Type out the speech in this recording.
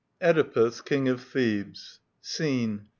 1 14 OEDIPUS, KING OF THEBES Scene.